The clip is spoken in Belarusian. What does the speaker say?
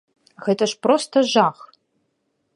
Гэта ж проста жах!